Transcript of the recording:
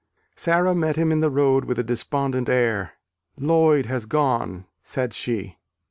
Sara met him in the road with a despondent air. "Lloyd has gone," said she.